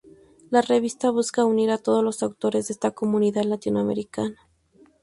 La Revista busca unir a todos los actores de esta comunidad latinoamericana.